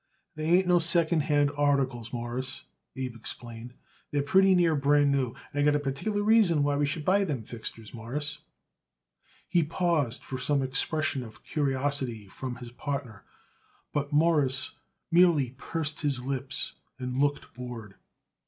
"They ain't no second hand articles, Mawruss," Abe explained. "They're pretty near brand new, and I got a particular reason why we should buy them fixtures, Mawruss." He paused for some expression of curiosity from his partner, but Mawruss merely pursed his lips and looked bored.